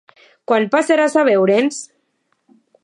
Quan passaràs a veure'ns?